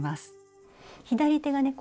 左手がね